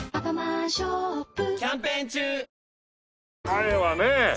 前はね。